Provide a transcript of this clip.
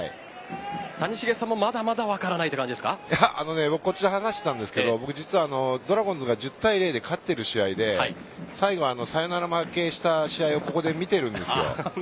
谷繁さんもまだまだ分からないというこっちで話していたんですが実はドラゴンズが１０対０で勝っている試合で最後、サヨナラ負けした試合をここで見ているんです。